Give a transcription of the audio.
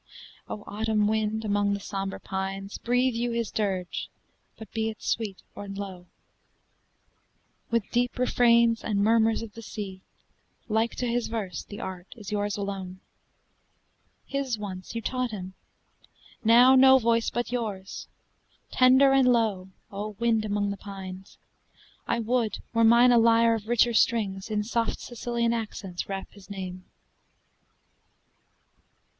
O autumn wind among the sombre pines, Breathe you his dirge, but be it sweet and low. With deep refrains and murmurs of the sea, Like to his verse the art is yours alone. His once you taught him. Now no voice but yours! Tender and low, O wind among the pines. I would, were mine a lyre of richer strings, In soft Sicilian accents wrap his name.